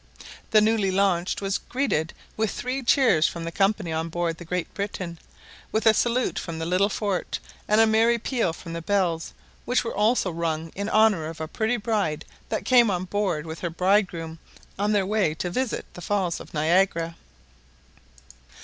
The newly launched was greeted with three cheers from the company on board the Great Britain, with a salute from the little fort, and a merry peal from the bells, which were also rung in honour of a pretty bride that came on board with her bridegroom on their way to visit the falls of Niagara.